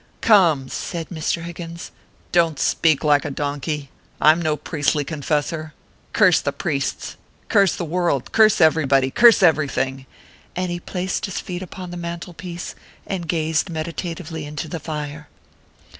" Come," said Mr. Higgins, " don t speak like a donkey. I m no priestly confessor. Curse the priests ! Curse the world ! Curse everybody ! Curse everything !" And he placed his feet upon the mantel piece, and gazed meditatively into the fire.